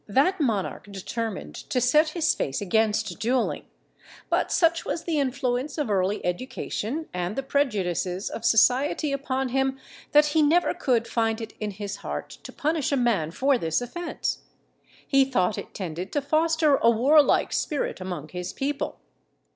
that monarch determined to set his face against duelling; but such was the influence of early education and the prejudices of society upon him, that he never could find it in his heart to punish a man for this offence. He thought it tended to foster a warlike spirit among his people.